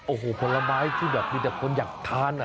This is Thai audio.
โอ้โหผลไม้ที่แบบมีแต่คนอยากทาน